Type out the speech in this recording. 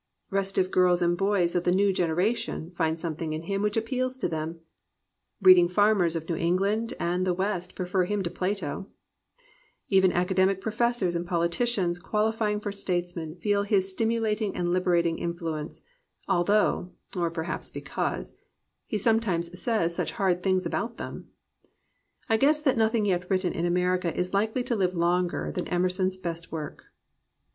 Restive girls and boys of the "new generation" find something in him which appeals to them; reading farmers of New England and the West prefer him to Plato; even academic professors and politicians qualifying for statesmen feel his stimulating and liberating influ ence, although (or perhaps because) he sometimes says such hard things about them. I guess that nothing yet written in America is likely to live longer than Emerson's best work.